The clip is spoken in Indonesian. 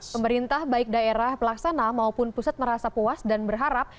pemerintah baik daerah pelaksana maupun pusat merasa puas dan berharap